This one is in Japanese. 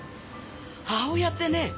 母親ってね